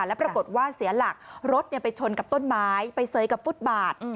แล้วปรากฏว่าเสียหลักรถไปชนกับต้นไม้ไปเสยกับฟุตบาท